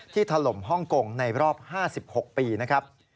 ถล่มฮ่องกงในรอบ๕๖ปีนะครับ